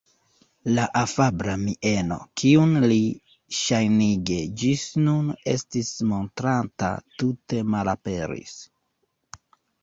La afabla mieno, kiun li ŝajnige ĝis nun estis montranta, tute malaperis.